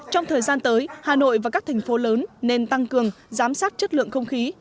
trong thời gian tới hà nội và các thành phố lớn nên tăng cường giám sát chất lượng không khí